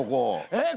えっ？